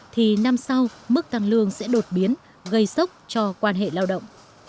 thì năm sau mức tăng lương sẽ đột biến gây sốc cho quan hệ lao động